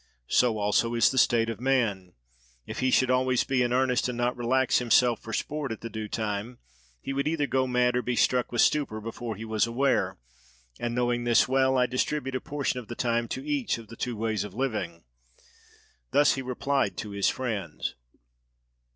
So also is the state of man: if he should always be in earnest and not relax himself for sport at the due time, he would either go mad or be struck with stupor before he was aware; and knowing this well, I distribute a portion of the time to each of the two ways of living." Thus he replied to his friends.